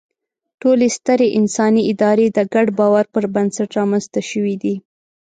ټولې سترې انساني ادارې د ګډ باور پر بنسټ رامنځ ته شوې دي.